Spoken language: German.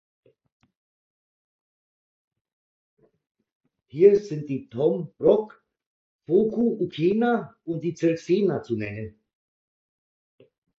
Hier sind die tom Brok, Focko Ukena und die Cirksena zu nennen.